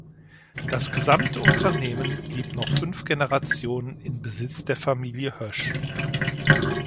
Das gesamte Unternehmen blieb noch fünf Generationen in Besitz der Familie Hoesch.